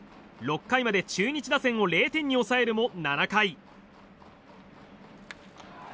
６回まで中日打線を０点に抑えるも、７回。